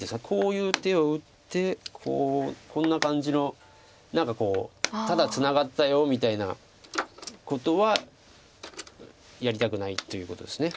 こういう手を打ってこうこんな感じの何かこう「ただツナがったよ」みたいなことはやりたくないということです。